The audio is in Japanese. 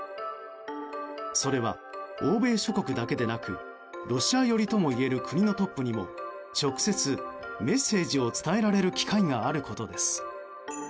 それは欧米諸国だけでなくロシア寄りともいえる国のトップにも直接メッセージを伝えられる機会があることです。